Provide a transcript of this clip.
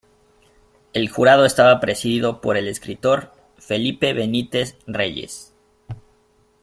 El jurado estaba presidido por el escritor Felipe Benítez Reyes.